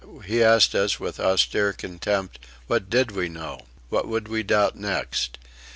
He asked us with austere contempt: what did we know? What would we doubt next?